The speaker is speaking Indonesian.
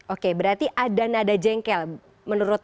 oke berarti ada nada jengkel menurut